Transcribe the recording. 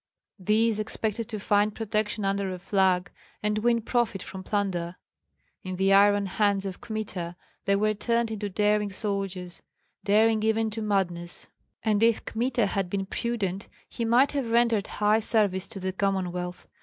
These expected to find protection under a flag and win profit from plunder. In the iron hands of Kmita they were turned into daring soldiers, daring even to madness; and if Kmita had been prudent he might have rendered high service to the Commonwealth.